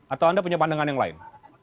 atau anda punya pandangan yang lain